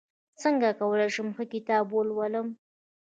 څنګه کولی شم ښه کتاب ولولم